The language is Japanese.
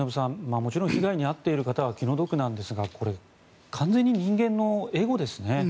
もちろん被害に遭っている方は気の毒なんですが完全に人間のエゴですね。